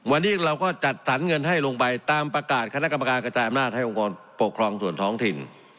วันนี้เราก็จัดสรรเงินให้ลงไปตามประกาศคณะกรรมการกระจายอำนาจให้องค์กรปกครองส่วนท้องถิ่น